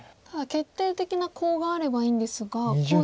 ただ決定的なコウがあればいいんですが。